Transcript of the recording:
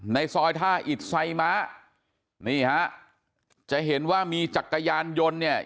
ในซอยท่าอิดไซม้านี่ฮะจะเห็นว่ามีจักรยานยนต์เนี่ย